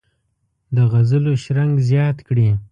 د غزلو شرنګ زیات کړي.